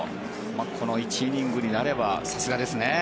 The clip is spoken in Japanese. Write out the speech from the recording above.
この１イニングになればさすがですね。